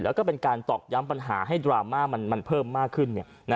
แล้วก็เป็นการตอกย้ำปัญหาให้ดราม่ามันเพิ่มมากขึ้น